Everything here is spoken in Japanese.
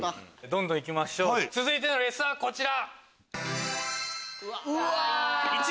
どんどん行きましょう続いてのレースはこちら。